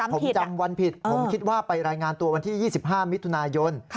ผมจำวันผิดผมคิดว่าไปรายงานตัววันที่๒๕มิถุนายน